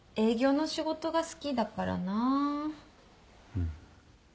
うん。